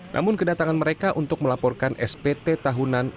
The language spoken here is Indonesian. namun kedatangan mereka untuk melaporkan spt tahunan